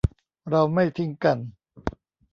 เราไม่ทิ้งกัน